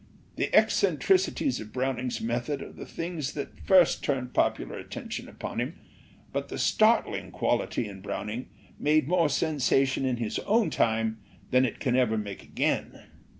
The eccentricities of Brown ing's method are the things that first turned popu lar attention upon him, but the startling quality in Browning made more sensation in his own time than it can ever make again.